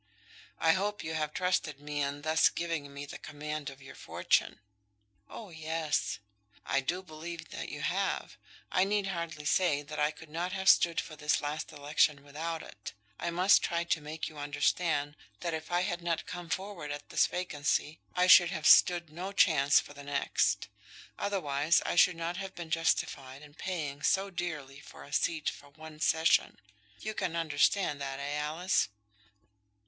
"I hope you have trusted me in thus giving me the command of your fortune?" "Oh, yes." "I do believe that you have. I need hardly say that I could not have stood for this last election without it; and I must try to make you understand that if I had not come forward at this vacancy, I should have stood no chance for the next; otherwise, I should not have been justified in paying so dearly for a seat for one session. You can understand that; eh, Alice?"